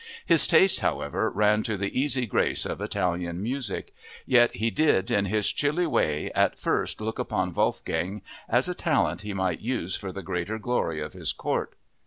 His taste, however, ran to the easy grace of Italian music; yet he did in his chilly way at first look upon Wolfgang as a talent he might use for the greater glory of his court.